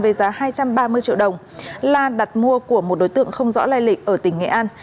với giá hai trăm ba mươi triệu đồng lan đặt mua của một đối tượng không rõ lai lịch ở tỉnh nghệ an